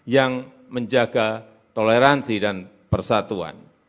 yang menjaga toleransi dan persatuan